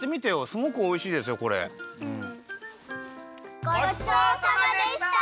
ごちそうさまでした！